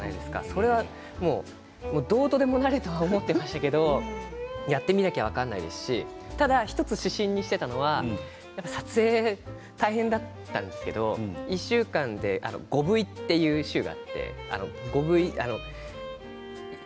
それは、どうとでもなると思っていましたけれどやってみなきゃ分からないですしただ指針にしていたのは撮影大変だったんですけど１週間で５Ｖという週があったんです。